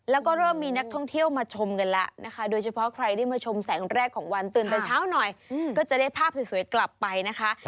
แล้วก็เริ่มมีนักท่องเที่ยวมาชมกันแล้วนะคะโดยเฉพาะใครได้มาชมแสงแรกของวันตื่นแต่เช้าหน่อยก็จะได้ภาพสวยกลับไปนะคะ